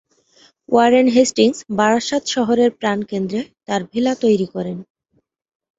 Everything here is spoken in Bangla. ওয়ারেন হেস্টিংস বারাসাত শহরের প্রাণকেন্দ্রে তাঁর ভিলা তৈরি করেন।